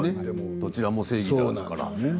どちらも正義だから。